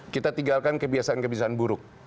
kita tinggalkan kebiasaan kebiasaan buruk